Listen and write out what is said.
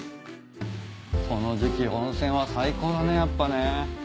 この時季温泉は最高だねやっぱね。